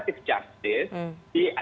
untuk menerapkan restoratif justice